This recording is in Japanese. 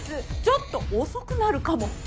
「ちょっと遅くなるかも。」